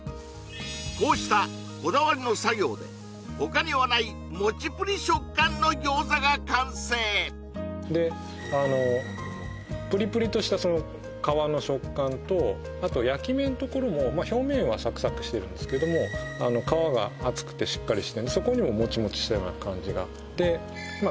こうしたこだわりの作業で他にはないモチプリ食感の餃子が完成であのすごいねなんかもうプリプリとしたその皮の食感とあと焼き目のところもまあ表面はサクサクしてるんですけどもあの皮が厚くてしっかりしてるんでそこにもモチモチしたような感じがでまあ